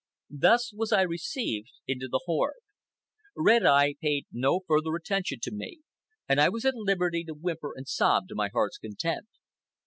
Thus was I received into the horde. Red Eye paid no further attention to me, and I was at liberty to whimper and sob to my heart's content.